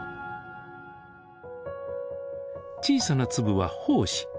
小さな粒は胞子。